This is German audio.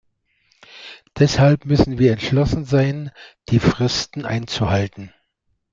Deshalb müssen wir entschlossen sein, die Fristen einzuhalten.